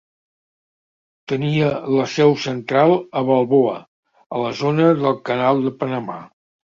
Tenia la seu central a Balboa, a la zona del canal de Panamà.